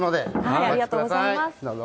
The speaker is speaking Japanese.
ありがとうございます。